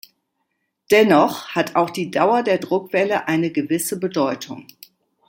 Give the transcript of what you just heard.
Dennoch hat auch die Dauer der Druckwelle eine gewisse Bedeutung.